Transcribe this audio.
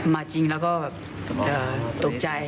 มาจริงแล้วก็แบบตกใจ